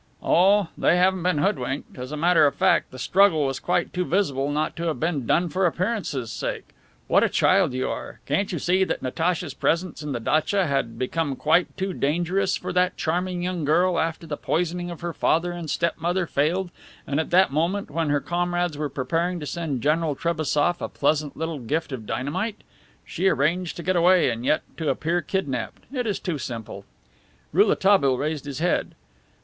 "Oh, they haven't been hoodwinked. As a matter of fact, the struggle was quite too visible not to have been done for appearances' sake. What a child you are! Can't you see that Natacha's presence in the datcha had become quite too dangerous for that charming young girl after the poisoning of her father and step mother failed and at the moment when her comrades were preparing to send General Trebassof a pleasant little gift of dynamite? She arranged to get away and yet to appear kidnapped. It is too simple." Rouletabille raised his head.